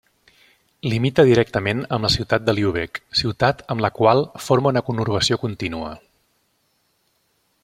Limita directament amb la ciutat de Lübeck, ciutat amb la qual forma una conurbació continua.